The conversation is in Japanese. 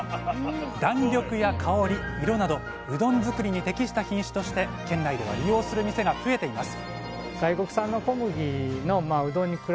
弾力や香り色などうどん作りに適した品種として県内では利用する店が増えています